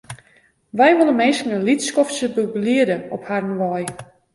Wy wolle minsken in lyts skoftsje begeliede op harren wei.